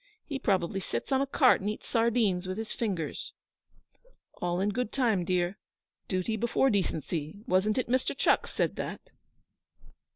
He probably sits on a cart and eats sardines with his fingers.' 'All in good time, dear. Duty before decency wasn't it Mr. Chucks said that?'